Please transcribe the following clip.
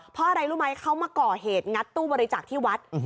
เพราะอะไรรู้ไหมเขามาก่อเหตุงัดตู้บริจาคที่วัด